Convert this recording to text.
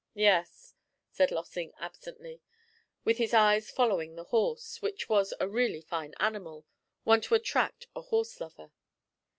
'Yes,' said Lossing absently, with his eyes following the horse, which was a really fine animal, one to attract a horse lover.